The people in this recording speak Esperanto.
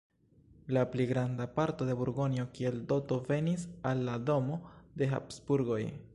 La pli granda parto de Burgonjo kiel doto venis al la domo de Habsburgoj.